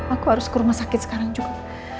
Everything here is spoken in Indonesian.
aku harus ke rumah sakit sekarang juga